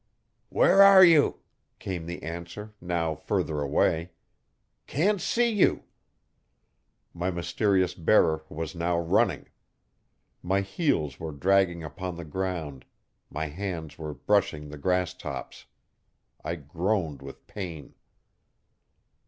'Where are you?' came the answer, now further away. 'Can't see you.' My mysterious bearer was now running. My heels were dragging upon the ground; my hands were brushing the grass tops. I groaned with pain.